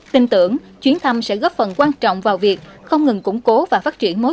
tin tưởng chuyến thăm sẽ góp phần quan trọng vào việc không ngừng củng cố và phát triển mối